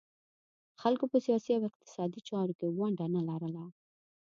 خلکو په سیاسي او اقتصادي چارو کې ونډه نه لرله